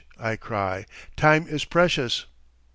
I cry. "Time is precious!"